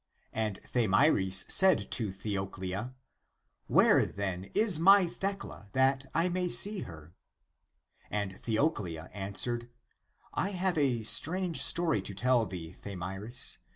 And Tha myris said to Theoclia, " Where, then, is my Thecla <that I may see her>" ?^^ And Theoclia an swered, " I have a strange story to tell thee, Tha myris.